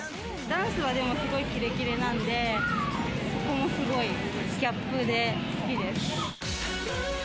ダンスは、すごいキレキレなんで、そのすごいギャップで好きです。